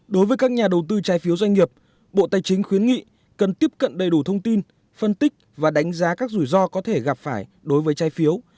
đối với các nhà đầu tư trái phiếu doanh nghiệp bộ tài chính khuyến nghị cần tiếp cận đầy đủ thông tin phân tích và đánh giá các rủi ro có thể gặp phải đối với trái phiếu